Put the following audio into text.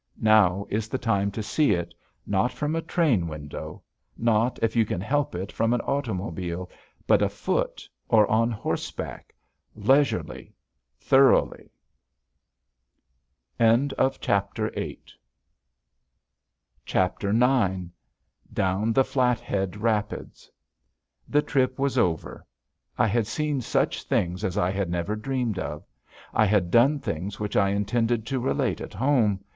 Now is the time to see it not from a train window; not, if you can help it, from an automobile, but afoot or on horseback, leisurely, thoroughly. IX DOWN THE FLATHEAD RAPIDS The trip was over. I had seen such things as I had never dreamed of. I had done things which I intended to relate at home.